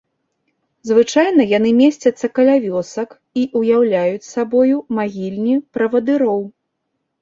Звычайна яны месцяцца каля вёсак і ўяўляюць сабою магільні правадыроў.